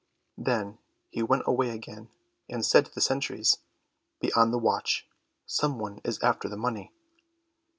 Then he went away again, and said to the sentries, "Be on the watch, some one is after the money."